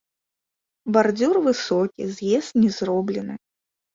Бардзюр высокі, з'езд не зроблены.